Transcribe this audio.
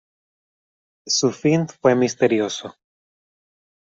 Su fin fue misterioso.